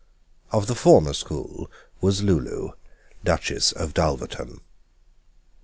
Of the former school was Lulu, Duchess of Dulverton.